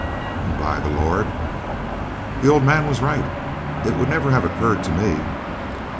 And by the Lord, the old man was right. It would never have occurred to me!